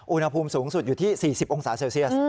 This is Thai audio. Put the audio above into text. อุณหภูมิสูงสุดอยู่ที่๔๐องศาเซลเซียส